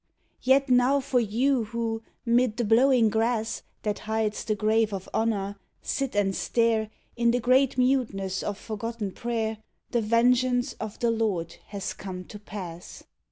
Yet now for you who, 'mid the blowing grass That hides the grave of honour, sit and stare In the great muteness of forgotten prayer The vengeance of the Lord has come to pass